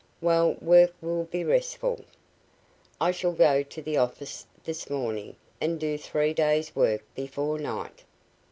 Well, work will be restful. I shall go to the office this morning and do three days' work before night.